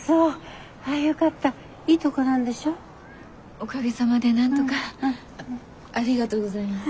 おかげさまでなんとか。ありがとうございます。